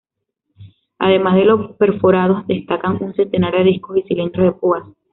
Además de los perforados, destacan un centenar de discos y cilindros de púas.